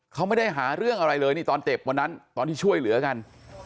เขาไม่ได้หาเรื่องอะไรเลยนี่ตอนเจ็บวันนั้นตอนที่ช่วยเหลือกัน